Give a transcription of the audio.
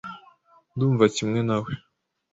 Ndumva kimwe nawe.